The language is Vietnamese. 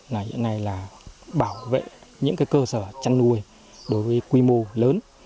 những này là bảo vệ những cơ sở chân nuôi đối với quy mô lớn